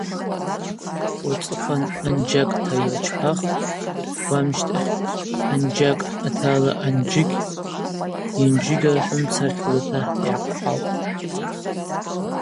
Уацӏыхъван Анджьакӏ-та йырчпахтӏ, уамщтахь Анджьакӏ атарала Анджьыгь, Йынджьыгь – рхӏвумца хьзыта йгӏахъхалтӏ.